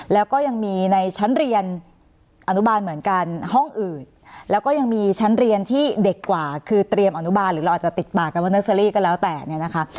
แล้วก็ยังมีในชั้นเรียนอนุบาลเหมือนกันห้องอื่นแล้วก็ยังมีชั้นเรียนที่เด็กกว่าคือเตรียมอนุบาลหรือเราอาจจะติดปากกันว่าเนอร์เซอรี่ก็แล้วแต่เนี่ยนะคะ